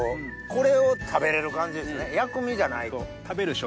これを食べれる感じですね。